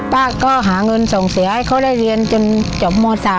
ป้าก็หาเงินส่งเสียให้เขาได้เรียนจนจบม๓